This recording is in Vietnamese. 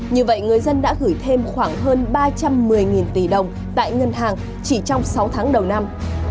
như vậy người dân đã gửi thêm khoảng hơn ba trăm một mươi tỷ đồng tại ngân hàng chỉ trong sáu tháng đầu năm